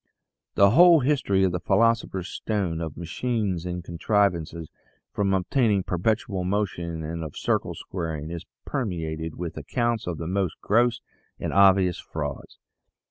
The whole history of the philosopher's stone, of machines and contrivances for obtaining perpetual motion, and of circle squaring, is permeated with accounts of the most gross and obvious frauds.